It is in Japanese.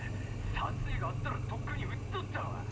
殺意があったらとっくに撃っとったわ。